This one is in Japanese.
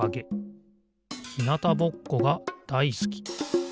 ひなたぼっこがだいすき。